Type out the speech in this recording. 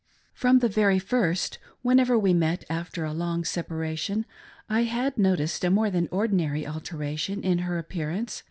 From the very first, whenever we met after a long separation, I had noticed a more than ordinary alteratioii 394 THE UNEXPECTED VISIT. in her appearance.